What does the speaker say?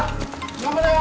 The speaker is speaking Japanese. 頑張れよ！